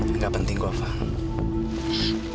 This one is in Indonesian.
enggak penting kau faham